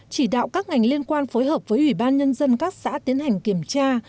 chỉ đạo các ngành liên quan phối hợp với ủy ban nhân dân các xã tiến hành kiểm tra